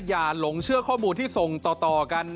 หลงเชื่อข้อมูลที่ส่งต่อกัน